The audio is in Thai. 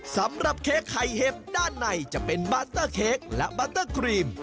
สำหรับเค้กไห่เห็บด้านในจะเป็นบัตเตอร์เค้กและบัตเตอร์กรีม